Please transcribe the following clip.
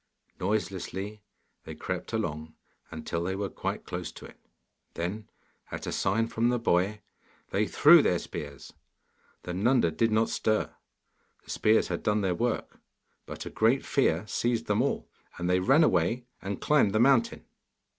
Noiselessly they crept along till they were quite close to it; then, at a sign from the boy, they threw their spears. The Nunda did not stir: the spears had done their work, but a great fear seized them all, and they ran away and climbed the mountain.